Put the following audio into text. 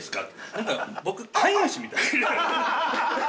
なんか僕、飼い主みたい。